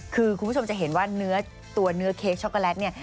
คือคุณผู้ชมจะเห็นว่าเนื้อตัวเนื้อเค้กช็อกโกแลตเนี่ย